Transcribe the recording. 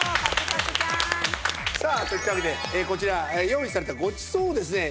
さあといったわけでこちら用意されたごちそうをですね